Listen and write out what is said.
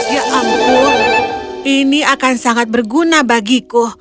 ya ampun ini akan sangat berguna bagiku